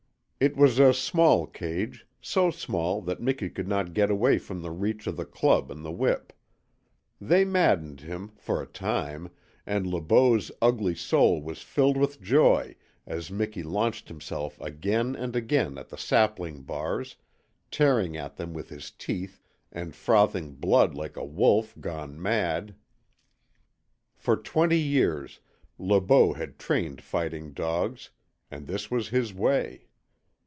It was a small cage, so small that Miki could not get away from the reach of the club and the whip. They maddened him for a time, and Le Beau's ugly soul was filled with joy as Miki launched himself again and again at the sapling bars, tearing at them with his teeth and frothing blood like a wolf gone mad. For twenty years Le Beau had trained fighting dogs, and this was his way.